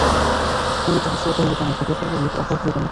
ললিতা হাসিয়া কহিল, কেন, ঝগড়া করবার লোকের অভাব হবে কেন?